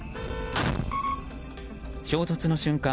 衝突の瞬間